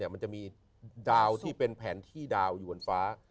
มันจะมีดาวที่เป็นแผนที่ดาวอยู่บนฟ้า